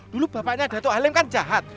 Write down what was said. dulu bapaknya dato halim kan jahat